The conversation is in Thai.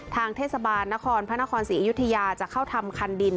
ทางเทศบาลนครพระนครศรีอยุธยาจะเข้าทำคันดิน